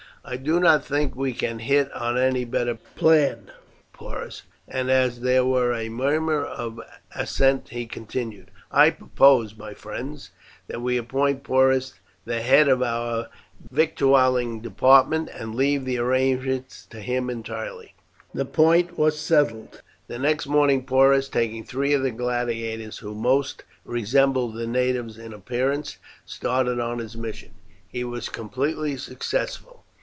"I do not think we can hit on any better plan, Porus;" and as there was a murmur of assent he continued: "I propose, my friends, that we appoint Porus the head of our victualling department, and leave the arrangements to him entirely." This point was settled. The next morning Porus, taking three of the gladiators who most resembled the natives in appearance, started on his mission. He was completely successful.